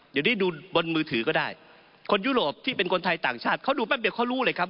เดี๋ยวนี้ดูบนมือถือก็ได้คนยุโรปที่เป็นคนไทยต่างชาติเขาดูแป๊บเดียวเขารู้เลยครับ